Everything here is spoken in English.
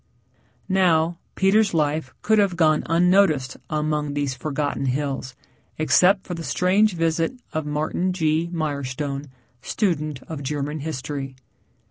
Now, Peter's life could have gone on unnoticed among these forgotten hills, except for the strange visit of Martin G. Mirestone, student of German history.